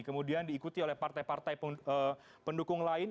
kemudian diikuti oleh partai partai pendukung lain